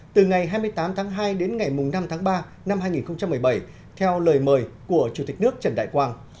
từ ngày hai mươi tám tháng hai đến ngày năm tháng ba năm hai nghìn một mươi bảy theo lời mời của chủ tịch nước trần đại quang